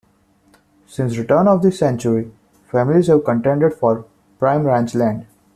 Since the turn of the century, families have contended for prime ranch land.